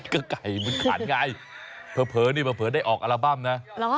ก็ไก่มันขันไงเผลอนี่เผลอได้ออกอัลบั้มนะ